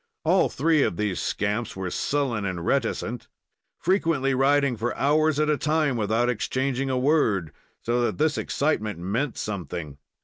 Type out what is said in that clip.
All three of these scamps were sullen and reticent, frequently riding for hours at a time without exchanging a word, so that this excitement meant something.